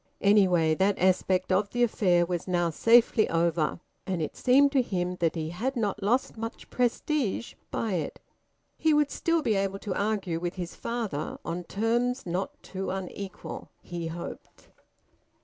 Anyway, that aspect of the affair was now safely over, and it seemed to him that he had not lost much prestige by it. He would still be able to argue with his father on terms not too unequal, he hoped.